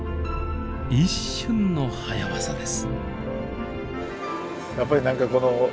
一瞬の早ワザです。